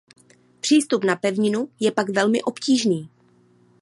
Přístup na pevninu je pak velmi obtížný.